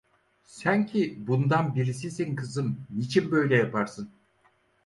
Sen ki bundan birisisin kızım, niçin böyle yaparsın?